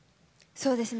そうですね